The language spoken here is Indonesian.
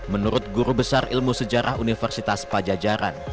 menurut guru besar ilmu sejarah universitas pajajaran